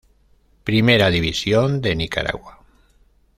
Primera División de Nicaragua.